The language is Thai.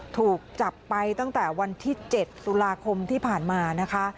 ถูกจับไปตั้งแต่วันที่๗ตุลาคมที่ผ่านมานะคะ